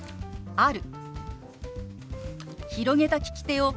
「ある」。